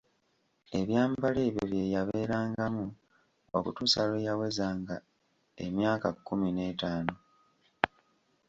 Ebyambalo ebyo bye yabeerangamu okutuusa lwe yawezanga emyaka kkumi n'etaano.